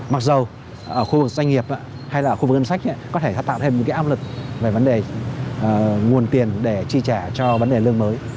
mặc dù ở khu vực doanh nghiệp hay là khu vực ngân sách có thể sẽ tạo thêm một cái áp lực về vấn đề nguồn tiền để chi trả cho vấn đề lương mới